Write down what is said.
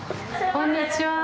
こんにちは。